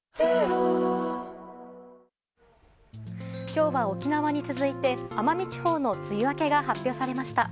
今日は、沖縄に続いて奄美地方の梅雨明けが発表されました。